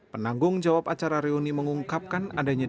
penanggung jawab acara reuni mengungkapkan adanya